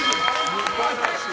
素晴らしい。